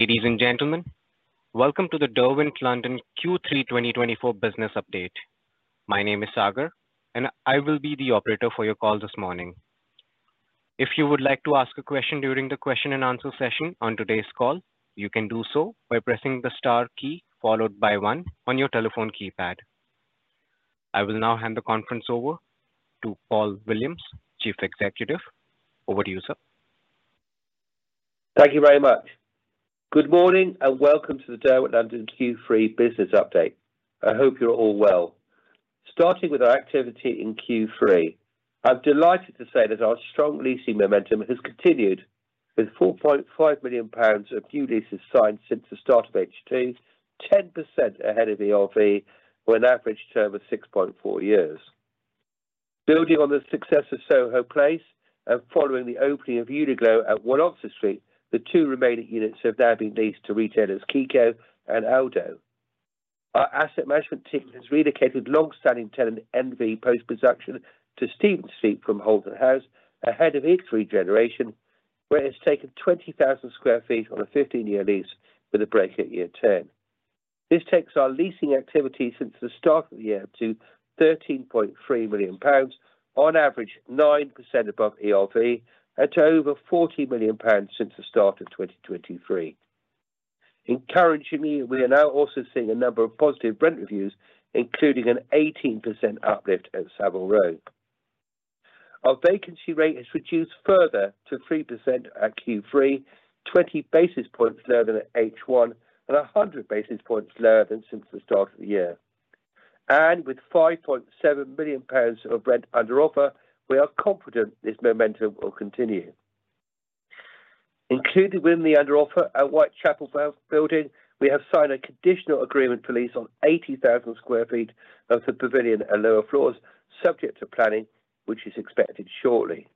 Ladies and gentlemen, welcome to the Derwent London Q3 2024 business update. My name is Sagar, and I will be the operator for your call this morning. If you would like to ask a question during the question-and-answer session on today's call, you can do so by pressing the star key followed by one on your telephone keypad. I will now hand the conference over to Paul Williams, Chief Executive. Over to you, sir. Thank you very much. Good morning and welcome to the Derwent London Q3 business update. I hope you're all well. Starting with our activity in Q3, I'm delighted to say that our strong leasing momentum has continued, with 4.5 million pounds of new leases signed since the start of H2, 10% ahead of ERV, on an average term of 6.4 years. Building on the success of Soho Place and following the opening of Uniqlo at 1 Oxford Street, the two remaining units have now been leased to retailers Kiko and Aldo. Our asset management team has relocated longstanding tenant ENVY Post Production to Stephen Street from Holden House, ahead of its regeneration, where it has taken 20,000 sq ft on a 15-year lease with a break at year 10. This takes our leasing activity since the start of the year to 13.3 million pounds, on average 9% above ERV, and to over 40 million pounds since the start of 2023. Encouragingly, we are now also seeing a number of positive rent reviews, including an 18% uplift at Savile Row. Our vacancy rate has reduced further to 3% at Q3, 20 basis points lower than at H1, and 100 basis points lower than since the start of the year, and with 5.7 million pounds of rent under offer, we are confident this momentum will continue. Included within the under offer, our White Chapel Building, we have signed a conditional agreement for lease on 80,000 sq ft of the Pavilion and lower floors, subject to planning, which is expected shortly.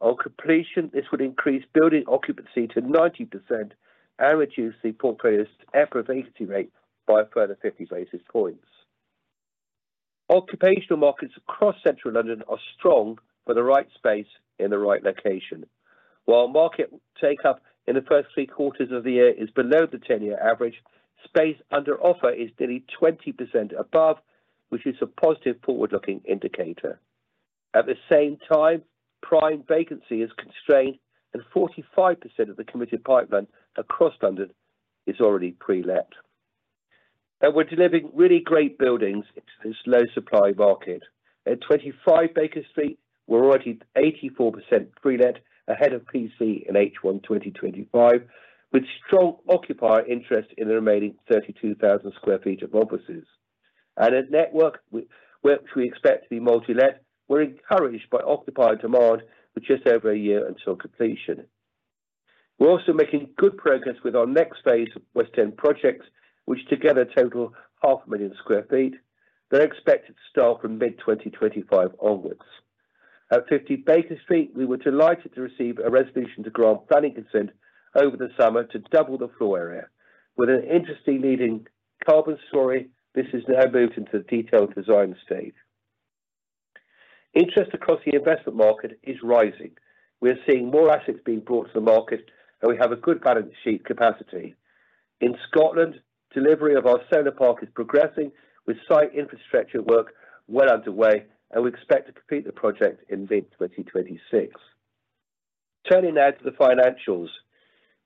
On completion, this would increase building occupancy to 90% and reduce the portfolio's vacancy rate by a further 50 basis points. Occupational markets across central London are strong for the right space in the right location. While market take-up in the first three quarters of the year is below the 10-year average, space under offer is nearly 20% above, which is a positive forward-looking indicator. At the same time, prime vacancy is constrained, and 45% of the committed pipeline across London is already pre-let. And we're delivering really great buildings to this low-supply market. At 25 Baker Street, we're already 84% pre-let, ahead of PC in H1 2025, with strong occupier interest in the remaining 32,000 sq ft of offices. And at Network which we expect to be multi-let, we're encouraged by occupier demand for just over a year until completion. We're also making good progress with our next phase of West End projects, which together total 500,000 sq ft, but are expected to start from mid-2025 onwards. At 50 Baker Street, we were delighted to receive a resolution to grant planning consent over the summer to double the floor area, with an interesting leading carbon story. This has now moved into the detailed design stage. Interest across the investment market is rising. We are seeing more assets being brought to the market, and we have a good balance sheet capacity. In Scotland, delivery of our solar park is progressing, with site infrastructure work well underway, and we expect to complete the project in mid-2026. Turning now to the financials.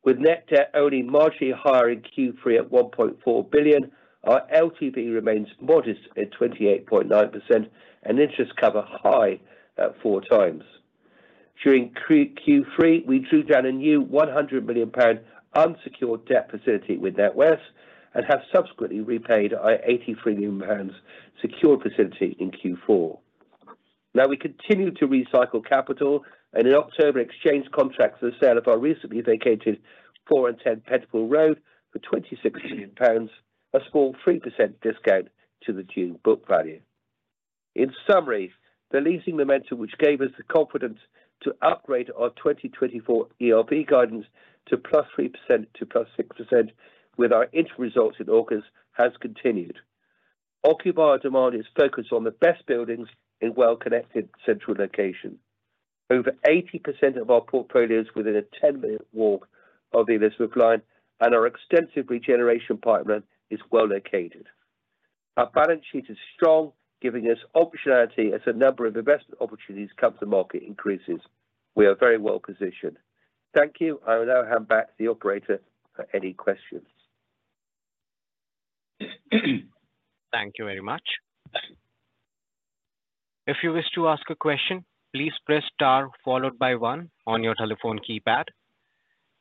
With net debt only marginally higher in Q3 at £1.4 billion, our LTV remains modest at 28.9%, and interest cover high at four times. During Q3, we drew down a new £100 million unsecured debt facility with NatWest, and have subsequently repaid our £83 million secured facility in Q4. Now we continue to recycle capital, and in October, exchanged contracts for the sale of our recently vacated 25 Baker Street for 26 million pounds, a small 3% discount to the June book value. In summary, the leasing momentum, which gave us the confidence to upgrade our 2024 ERV guidance to 3%-6% with our interim results in August, has continued. Occupier demand is focused on the best buildings in well-connected central location. Over 80% of our portfolios are within a 10-minute walk of the Elizabeth Line, and our extensive regeneration pipeline is well located. Our balance sheet is strong, giving us optionality as the number of investment opportunities come to market increases. We are very well positioned. Thank you. I will now hand back to the operator for any questions. Thank you very much. If you wish to ask a question, please press star followed by one on your telephone keypad.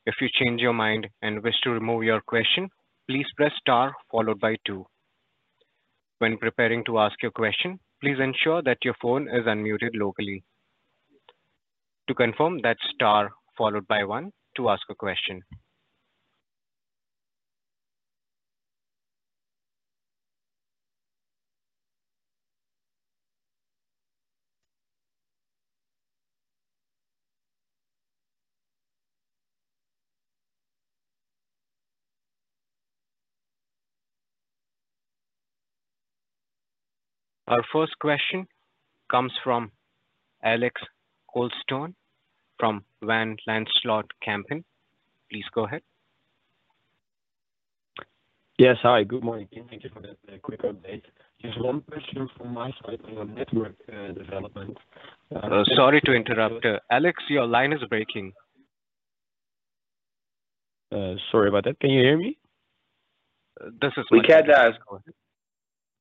If you change your mind and wish to remove your question, please press star followed by two. When preparing to ask your question, please ensure that your phone is unmuted locally. To confirm, that's star followed by one to ask a question. Our first question comes from Alex Holston from Van Lanschot Kempen. Please go ahead. Yes, hi. Good morning. Thank you for the quick update. Just one question from my side on network development. Sorry to interrupt. Alex, your line is breaking. Sorry about that. Can you hear me? This is Mike. We can now.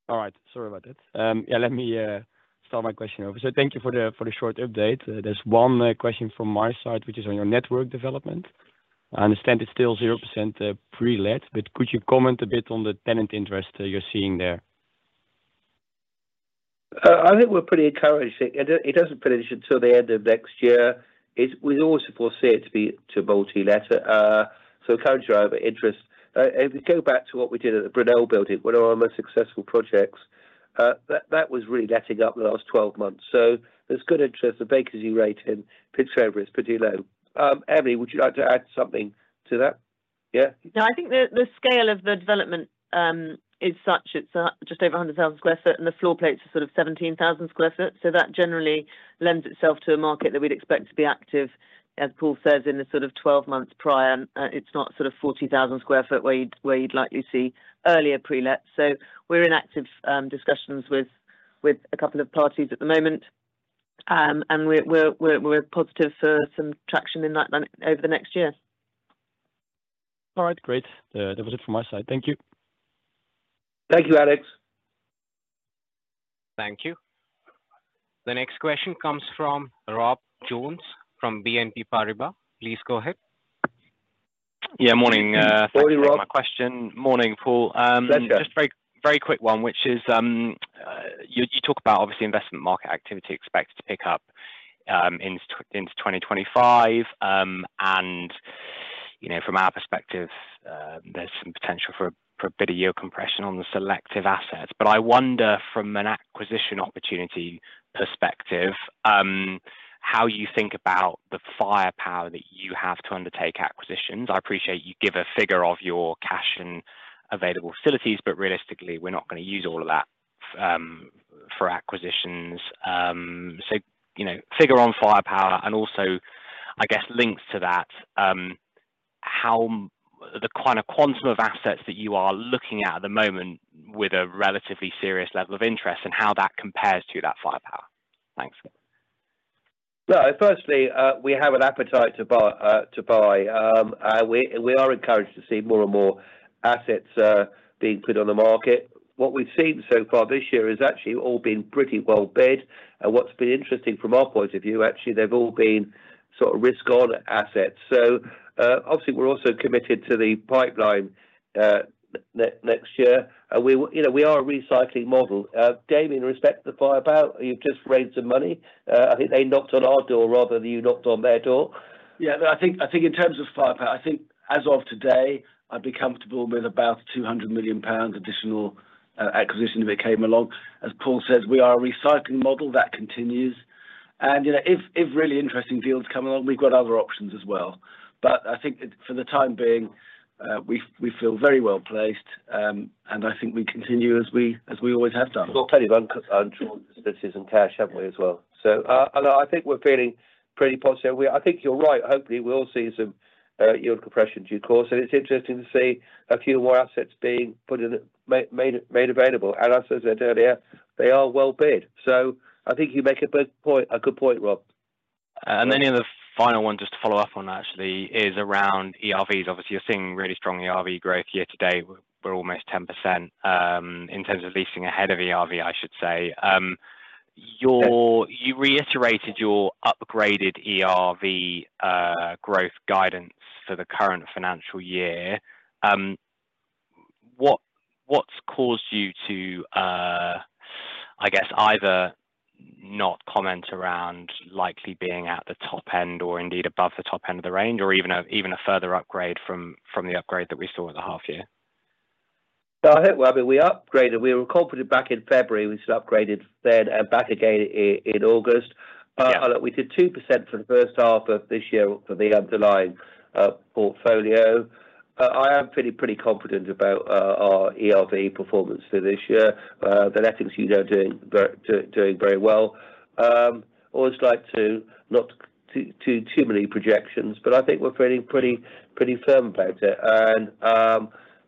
All right. Sorry about that. Yeah, let me start my question over. So thank you for the short update. There's one question from my side, which is on your network development. I understand it's still 0% pre-let, but could you comment a bit on the tenant interest you're seeing there? I think we're pretty encouraged. It doesn't finish until the end of next year. We always foresee it to be multi-let. So encouraged by the interest. If we go back to what we did at the Brunel Building, one of our most successful projects, that was really letting up in the last 12 months. So there's good interest. The vacancy rate in Paddington is pretty low. Emily, would you like to add something to that? Yeah. No, I think the scale of the development is such. It's just over 100,000 sq ft, and the floor plates are sort of 17,000 sq ft. So that generally lends itself to a market that we'd expect to be active, as Paul says, in the sort of 12 months prior. It's not sort of 40,000 sq ft where you'd likely see earlier pre-let. So we're in active discussions with a couple of parties at the moment, and we're positive for some traction in that over the next year. All right. Great. That was it from my side. Thank you. Thank you, Alex. Thank you. The next question comes from Rob Jones from BNP Paribas. Please go ahead. Yeah, morning. Morning, Rob. My question. Morning, Paul. Pleasure. Just a very quick one, which is you talk about, obviously, investment market activity expected to pick up into 2025. And from our perspective, there's some potential for a bit of yield compression on the selective assets. But I wonder, from an acquisition opportunity perspective, how you think about the firepower that you have to undertake acquisitions. I appreciate you give a figure of your cash and available facilities, but realistically, we're not going to use all of that for acquisitions. So figure on firepower. And also, I guess, links to that, the quantum of assets that you are looking at at the moment with a relatively serious level of interest and how that compares to that firepower. Thanks. No, personally, we have an appetite to buy. We are encouraged to see more and more assets being put on the market. What we've seen so far this year has actually all been pretty well-bid. And what's been interesting from our point of view, actually, they've all been sort of risk-on assets. So obviously, we're also committed to the pipeline next year. We are a recycling model. Damian, respect to the firepower, you've just raised some money. I think they knocked on our door rather than you knocked on their door. Yeah, I think in terms of firepower, I think as of today, I'd be comfortable with about 200 million pounds additional acquisition if it came along. As Paul says, we are a recycling model that continues. And if really interesting deals come along, we've got other options as well. But I think for the time being, we feel very well placed, and I think we continue as we always have done. We're all pretty well on short positions in cash, haven't we, as well? So I think we're feeling pretty positive. I think you're right. Hopefully, we'll see some yield compression due course. And it's interesting to see a few more assets being made available. And as I said earlier, they are well-bid. So I think you make a good point, Rob. And then the final one, just to follow up on that, actually, is around ERVs. Obviously, you're seeing really strong ERV growth year to date. We're almost 10% in terms of leasing ahead of ERV, I should say. You reiterated your upgraded ERV growth guidance for the current financial year. What's caused you to, I guess, either not comment around likely being at the top end or indeed above the top end of the range, or even a further upgrade from the upgrade that we saw at the half year? I think we upgraded. We were confident back in February we should have upgraded then and back again in August. We did 2% for the first half of this year for the underlying portfolio. I am pretty confident about our ERV performance for this year. The net effectives are doing very well. I always like to not do too many projections, but I think we're feeling pretty firm about it, and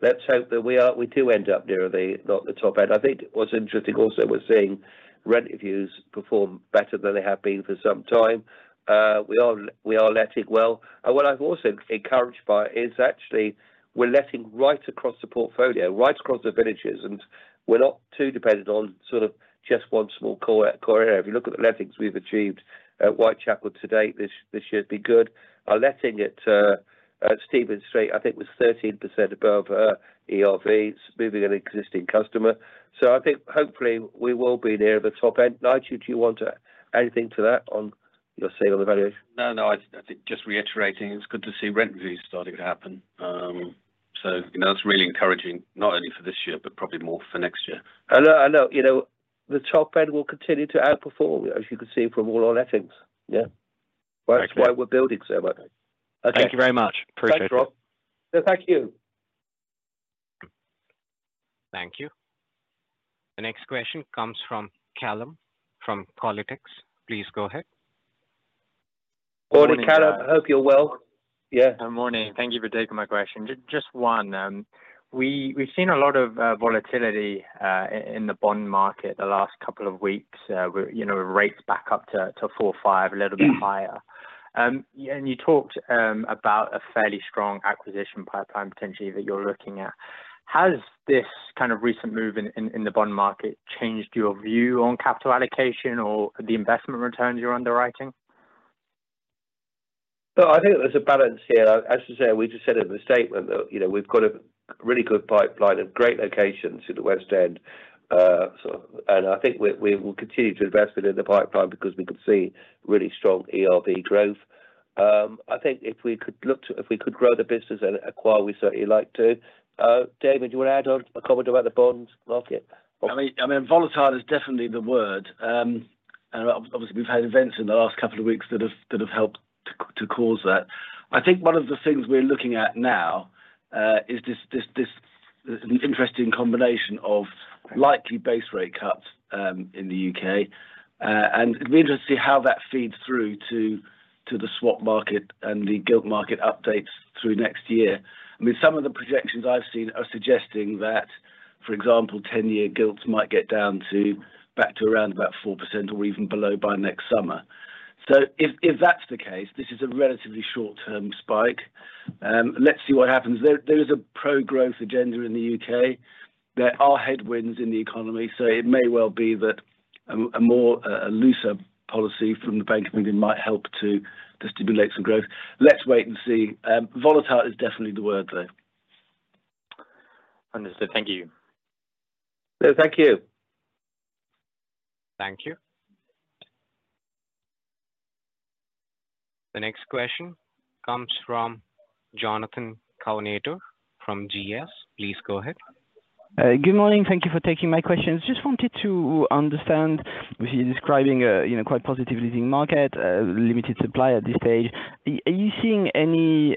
let's hope that we do end up near the top end. I think what's interesting also, we're seeing rent reviews perform better than they have been for some time. We are letting well, and what I'm also encouraged by is actually we're letting right across the portfolio, right across the villages, and we're not too dependent on sort of just one small core area. If you look at the net effectives we've achieved at Whitechapel to date, this year has been good. Our letting at Stephen Street, I think, was 13% above ERV, moving an existing customer. So I think hopefully we will be near the top end. Nigel, do you want to add anything to that on your say on the valuation? No, no. I think just reiterating, it's good to see rent reviews starting to happen. So that's really encouraging, not only for this year, but probably more for next year. I know. The top end will continue to outperform, as you can see from all our lettings. Yeah. That's why we're building so much. Thank you very much. Appreciate it. Thanks, Rob. Thank you. Thank you. The next question comes from Callum from Qualitex. Please go ahead. Morning, Callum. I hope you're well. Yeah. Good morning. Thank you for taking my question. Just one. We've seen a lot of volatility in the bond market the last couple of weeks, rates back up to 4.5, a little bit higher. And you talked about a fairly strong acquisition pipeline potentially that you're looking at. Has this kind of recent move in the bond market changed your view on capital allocation or the investment returns you're underwriting? I think there's a balance here. As I say, we just said in the statement that we've got a really good pipeline of great locations in the West End. And I think we will continue to invest within the pipeline because we can see really strong ERV growth. I think if we could look to grow the business and acquire, we certainly like to. Damian, do you want to add on a comment about the bond market? I mean, volatile is definitely the word. And obviously, we've had events in the last couple of weeks that have helped to cause that. I think one of the things we're looking at now is this interesting combination of likely base rate cuts in the U.K. And it'd be interesting to see how that feeds through to the swap market and the gilt market updates through next year. I mean, some of the projections I've seen are suggesting that, for example, 10-year gilts might get down back to around about 4% or even below by next summer. So if that's the case, this is a relatively short-term spike. Let's see what happens. There is a pro-growth agenda in the U.K. There are headwinds in the economy, so it may well be that a more looser policy from the Bank of England might help to stimulate some growth. Let's wait and see. Volatile is definitely the word, though. Understood. Thank you. Thank you. Thank you. The next question comes from Jonathan Kownator from GS. Please go ahead. Good morning. Thank you for taking my questions. Just wanted to understand. You're describing a quite positive leasing market, limited supply at this stage. Are you seeing any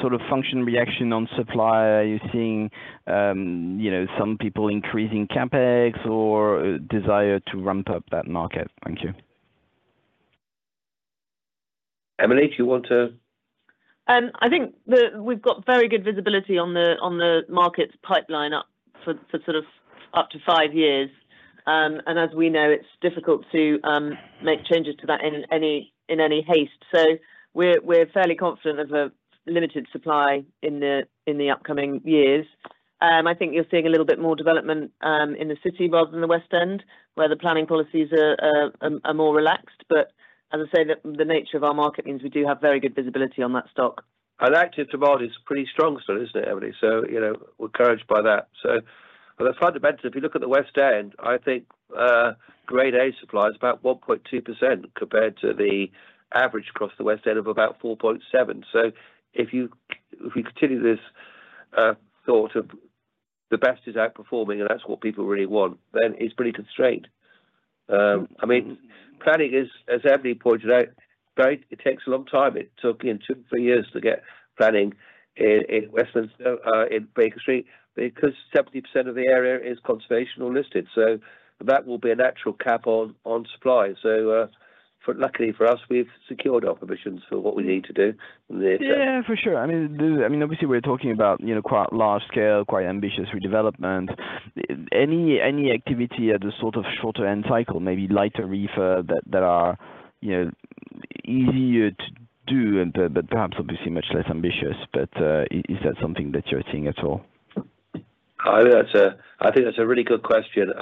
sort of friction reaction on supply? Are you seeing some people increasing CapEx or desire to ramp up that market? Thank you. Emily, do you want to? I think we've got very good visibility on the market's pipeline up for sort of up to five years, and as we know, it's difficult to make changes to that in any haste, so we're fairly confident of a limited supply in the upcoming years. I think you're seeing a little bit more development in the city rather than the West End, where the planning policies are more relaxed, but as I say, the nature of our market means we do have very good visibility on that stock. That is a pretty strong stock, isn't it, Emily? So we're encouraged by that. So that's hard to better. If you look at the West End, I think grade A supply is about 1.2% compared to the average across the West End of about 4.7%. So if we continue this thought of the best is outperforming, and that's what people really want, then it's pretty constrained. I mean, planning is, as Emily pointed out, it takes a long time. It took two or three years to get planning in Westminster, in Baker Street, because 70% of the area is conservation or listed. So that will be a natural cap on supply. So luckily for us, we've secured our permissions for what we need to do. Yeah, for sure. I mean, obviously, we're talking about quite large scale, quite ambitious redevelopment. Any activity at the sort of shorter end cycle, maybe lighter refurb that are easier to do, but perhaps obviously much less ambitious? But is that something that you're seeing at all? I think that's a really good question.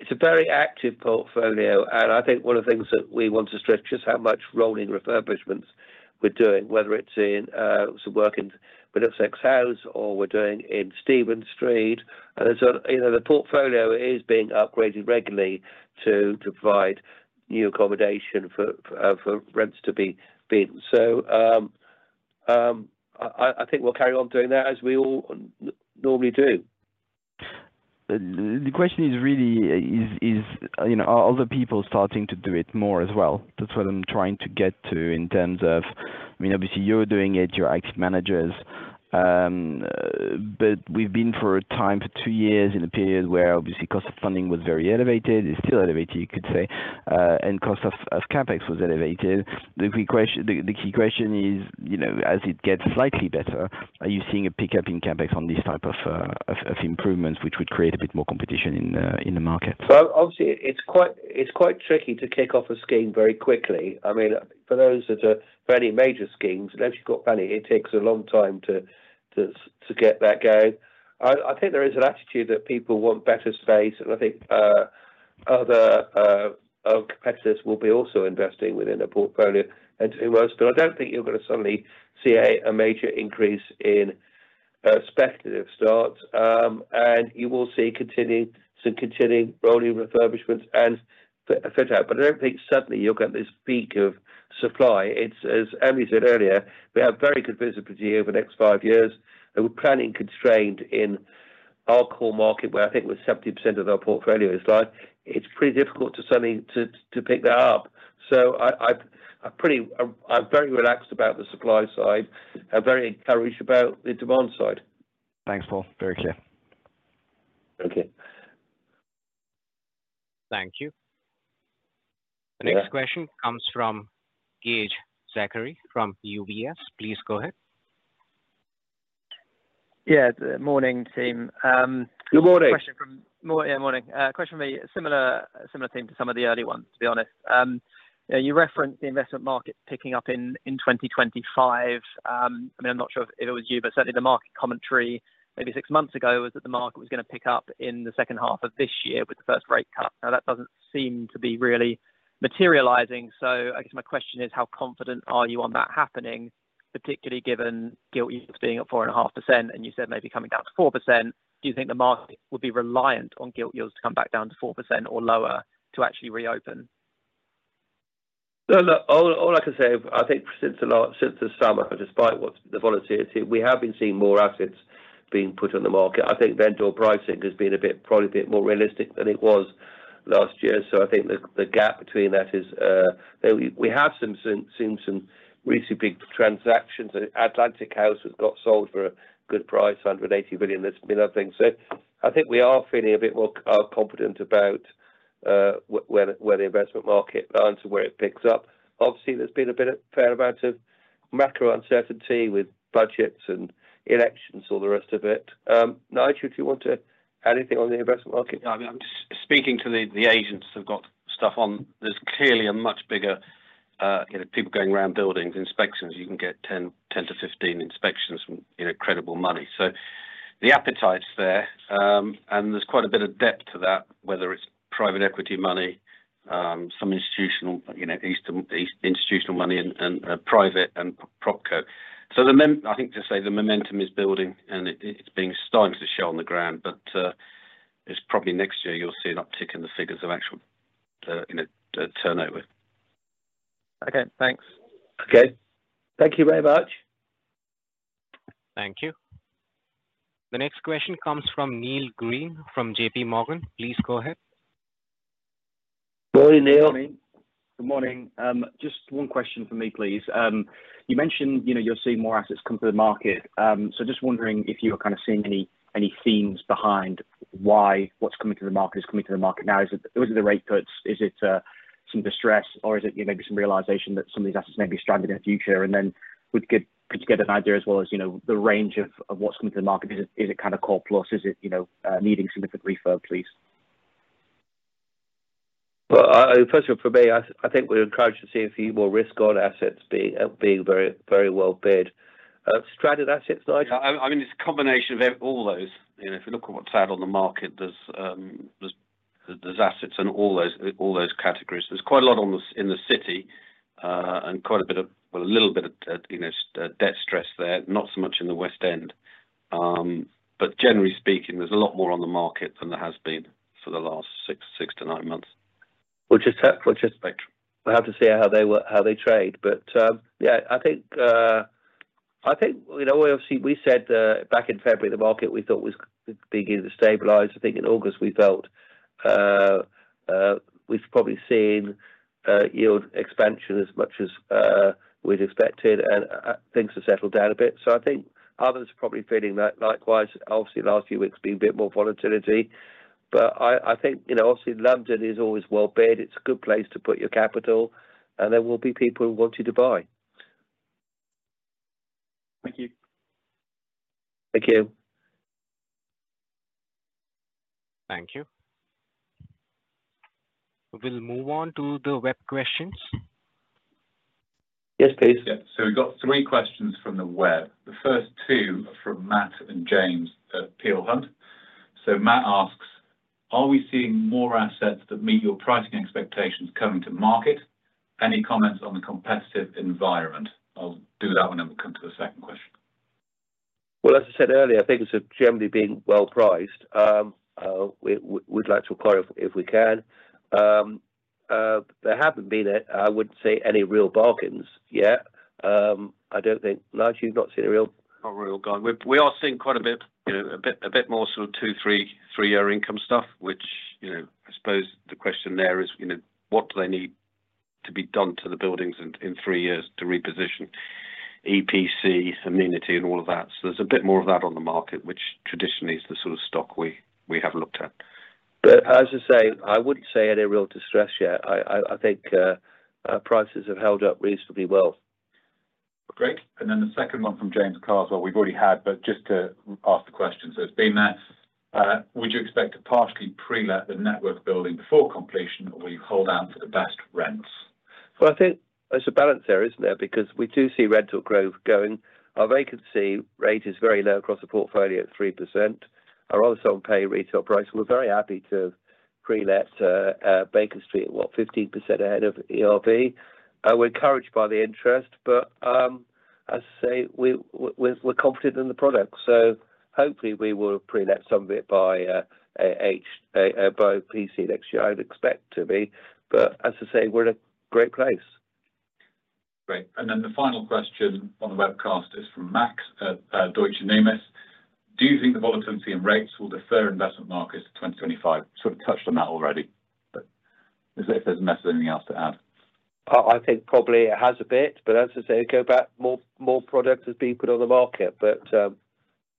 It's a very active portfolio. And I think one of the things that we want to stretch is how much rolling refurbishments we're doing, whether it's in some work in Middlesex House or we're doing in Stephen Street. And the portfolio is being upgraded regularly to provide new accommodation for rents to be bid. So I think we'll carry on doing that as we all normally do. The question is really, are other people starting to do it more as well? That's what I'm trying to get to in terms of, I mean, obviously, you're doing it, your active managers. But we've been for a time, for two years, in a period where obviously cost of funding was very elevated, is still elevated, you could say, and cost of CapEx was elevated. The key question is, as it gets slightly better, are you seeing a pickup in CapEx on this type of improvements, which would create a bit more competition in the market? Obviously, it's quite tricky to kick off a scheme very quickly. I mean, for those that are for any major schemes, unless you've got money, it takes a long time to get that going. I think there is an attitude that people want better space. And I think other competitors will be also investing within the portfolio and doing well. But I don't think you're going to suddenly see a major increase in speculative starts. And you will see some continuing rolling refurbishments and fit out. But I don't think suddenly you'll get this peak of supply. As Emily said earlier, we have very good visibility over the next five years. We're planning constrained in our core market, where I think we're 70% of our portfolio is like. It's pretty difficult to suddenly pick that up. I'm very relaxed about the supply side and very encouraged about the demand side. Thanks, Paul. Very clear. Thank you. Thank you. The next question comes from Zachary Gauge from UBS. Please go ahead. Yeah. Good morning, team. Good morning. Yeah, morning. Question from a similar team to some of the early ones, to be honest. You referenced the investment market picking up in 2025. I mean, I'm not sure if it was you, but certainly the market commentary maybe six months ago was that the market was going to pick up in the second half of this year with the first rate cut. Now, that doesn't seem to be really materializing. So I guess my question is, how confident are you on that happening, particularly given gilt yields being at 4.5% and you said maybe coming down to 4%? Do you think the market would be reliant on gilt yields to come back down to 4% or lower to actually reopen? Look, all I can say, I think since the summer, despite what the volatility is, we have been seeing more assets being put on the market. I think vendor pricing has been probably a bit more realistic than it was last year. So I think the gap between that is we have seen some really big transactions. Atlantic House was got sold for a good price, 180 million. That's been a thing. So I think we are feeling a bit more confident about where the investment market lands and where it picks up. Obviously, there's been a fair amount of macro uncertainty with budgets and elections and all the rest of it. Nigel, do you want to add anything on the investment market? Yeah. I mean, I'm just speaking to the agents who've got stuff on. There's clearly a much bigger people going around buildings, inspections. You can get 10-15 inspections from credible money. So the appetite's there, and there's quite a bit of depth to that, whether it's private equity money, some institutional money, and private and PropCo. So I think, as I say, the momentum is building, and it's starting to show on the ground, but it's probably next year you'll see an uptick in the figures of actual turnover. Okay. Thanks. Okay. Thank you very much. Thank you. The next question comes from Neil Green from J.P. Morgan. Please go ahead. Morning, Neil. Good morning. Just one question for me, please. You mentioned you're seeing more assets come to the market, so just wondering if you're kind of seeing any themes behind why what's coming to the market is coming to the market now. Is it the rate cuts? Is it some distress? Or is it maybe some realization that some of these assets may be stranded in the future? And then could you get an idea as well as the range of what's coming to the market? Is it kind of core plus? Is it needing significant refurbishments? First of all, for me, I think we're encouraged to see a few more risk-on assets being very well bid. Stranded assets, Nigel? I mean, it's a combination of all those. If you look at what's out on the market, there's assets in all those categories. There's quite a lot in the city and quite a bit of a little bit of debt stress there, not so much in the West End. But generally speaking, there's a lot more on the market than there has been for the last six to nine months. Which is spectrum. We'll have to see how they trade. But yeah, I think we said back in February, the market we thought was beginning to stabilize. I think in August, we felt we've probably seen yield expansion as much as we'd expected, and things have settled down a bit. So I think others are probably feeling that likewise. Obviously, the last few weeks have been a bit more volatility. But I think, obviously, London is always well bid. It's a good place to put your capital, and there will be people who want you to buy. Thank you. Thank you. Thank you. We'll move on to the web questions. Yes, please. Yeah. So we've got three questions from the web. The first two are from Matt and James Peel Hunt. So Matt asks, "Are we seeing more assets that meet your pricing expectations coming to market? Any comments on the competitive environment?" I'll do that one, and we'll come to the second question. As I said earlier, things are generally being well priced. We'd like to acquire if we can. There haven't been, I wouldn't say, any real bargains yet. I don't think, Nigel, you've not seen a real? Not a real gun. We are seeing quite a bit, a bit more sort of two, three-year income stuff, which I suppose the question there is, what do they need to be done to the buildings in three years to reposition, EPC, amenity, and all of that, so there's a bit more of that on the market, which traditionally is the sort of stock we have looked at. But as I say, I wouldn't say any real distress yet. I think prices have held up reasonably well. Great. And then the second one from James Carswell, we've already had, but just to ask the question. So it's been there. "Would you expect to partially pre-let the network building before completion, or will you hold out for the best rents? I think there's a balance there, isn't there? Because we do see rental growth going. Our vacancy rate is very low across the portfolio at 3%. Our others pay retail price. We're very happy to pre-let Baker Street, 15% ahead of ERV? We're encouraged by the interest, but as I say, we're confident in the product. Hopefully, we will pre-let some of it by PC, I'd expect to be. As I say, we're in a great place. Great. And then the final question on the webcast is from Max Nimmo at Deutsche Numis. "Do you think the volatility in rates will defer investment markets to 2025?" Sort of touched on that already. But if there's a message, anything else to add? I think probably it has a bit. But as I say, go back, more product has been put on the market. But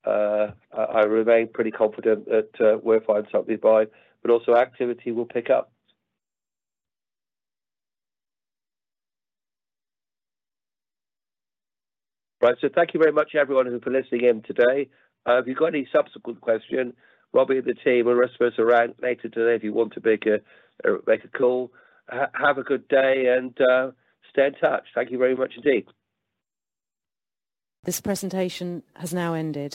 I remain pretty confident that we'll find something to buy. But also activity will pick up. Right. So thank you very much, everyone, for listening in today. If you've got any subsequent question, Robbie and the team, we'll reference around later today if you want to make a call. Have a good day and stay in touch. Thank you very much indeed. This presentation has now ended.